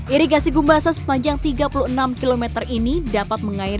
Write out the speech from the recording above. irigasi gumbasa sepanjang tiga puluh enam km ini dapat mengairi lebih dari delapan hektare lahan pertanian